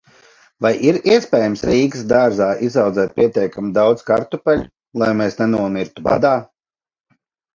Vai ir iespējams Rīgas dārzā izaudzēt pietiekami daudz kartupeļu, lai mēs nenomirtu badā?